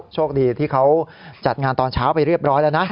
โชคดีที่เขาจัดงานตอนเช้าไปเรียบร้อยแล้วนะ